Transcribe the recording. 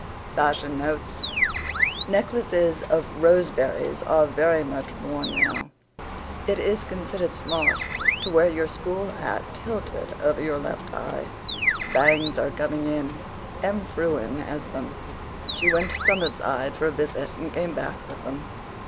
FASHION NOTES Necklaces of roseberries are very much worn now. It is considered smart to wear your school hat tilted over your left eye. Bangs are coming in. Em Frewen has them. She went to Summerside for a visit and came back with them.